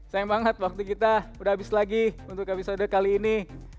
sayang banget waktu kita udah habis lagi untuk episode kali ini